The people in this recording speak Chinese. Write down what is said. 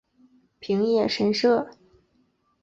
平野神社。